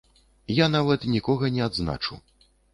Я нават нікога не адзначу.